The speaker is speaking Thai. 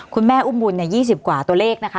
คุณแม่อุ้มบุญเนี่ย๒๐กว่าตัวเลขนะคะ